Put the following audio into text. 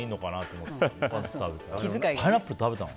そしたらパイナップル食べたの！？